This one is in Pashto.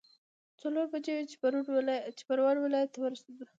څلور بجې وې چې پروان ولايت ته ورسېدو.